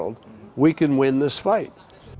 kita bisa menangkan pertempuran ini